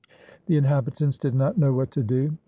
The inhabitants did not know what to do.